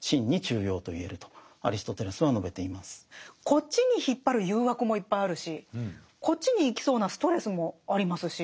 こっちに引っ張る誘惑もいっぱいあるしこっちに行きそうなストレスもありますし。